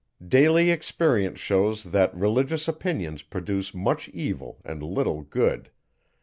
Daily experience shows, that religious opinions produce much evil and little good.